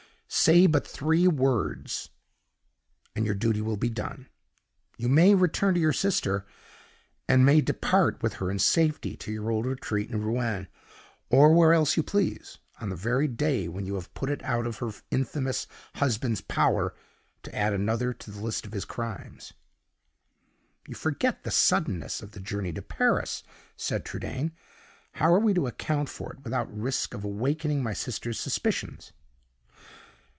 Say but three words, and your duty will be done; you may return to your sister, and may depart with her in safety to your old retreat at Rouen, or where else you please, on the very day when you have put it out of her infamous husband's power to add another to the list of his crimes." "You forget the suddenness of the journey to Paris," said Trudaine. "How are we to account for it without the risk of awakening my sister's suspicions?"